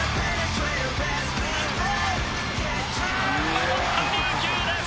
守った琉球です。